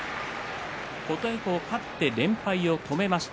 琴恵光勝って連敗を止めました。